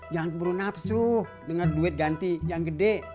jangan perlu nafsu dengan duit ganti yang gede